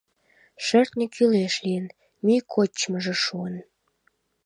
Шӧртньӧ кӱлеш лийын, мӱй кочмыжо шуын.